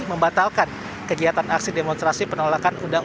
membatalkan kegiatan aksi demonstrasi penolakan undang undang